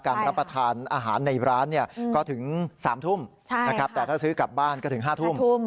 รับประทานอาหารในร้านก็ถึง๓ทุ่มนะครับแต่ถ้าซื้อกลับบ้านก็ถึง๕ทุ่ม